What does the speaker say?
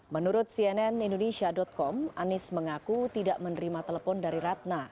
menurut cnn indonesia com anies mengaku tidak menerima telepon dari ratna